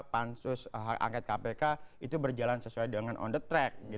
pansus hak angket kpk itu berjalan sesuai dengan on the track